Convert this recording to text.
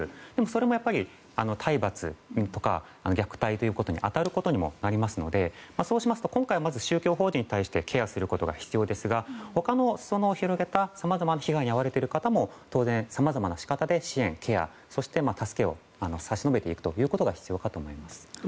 それも、体罰とか虐待ということに当たることにもなりますのでそうしますと、今回はまず宗教法人に対してケアすることが必要ですが他の、広げたさまざまな被害に遭われている方もそれもさまざまな仕方で支援やケア助けを差し伸べていくことが必要かと思います。